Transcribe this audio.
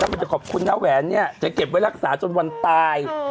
สำหรับคุณเยาแหวนเนี่ยจะเก็บไว้รักษาจนตาย